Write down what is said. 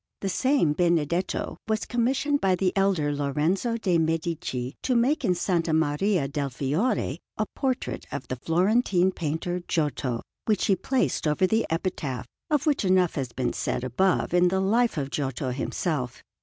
The same Benedetto was commissioned by the elder Lorenzo de' Medici to make in S. Maria del Fiore a portrait of the Florentine painter Giotto, which he placed over the epitaph, of which enough has been said above in the Life of Giotto himself.